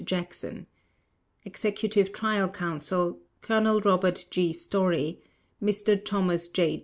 Jackson EXECUTIVE TRIAL COUNSEL: Colonel Robert G. Storey Mr. Thomas J.